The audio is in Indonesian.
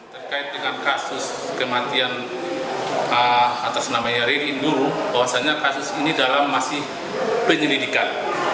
terkait dengan kasus kematian atas namanya yarin dulu bahwasannya kasus ini dalam masih penyelidikan